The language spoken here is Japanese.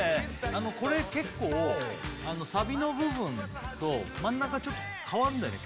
これ結構サビの部分と真ん中ちょっと変わるんだよね